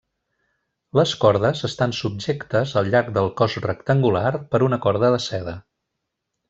Les cordes estan subjectes al llarg del cos rectangular per una corda de seda.